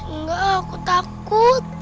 enggak aku takut